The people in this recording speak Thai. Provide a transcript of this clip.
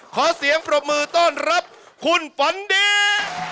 ขอเสียงปรบมือต้อนรับคุณฝันดี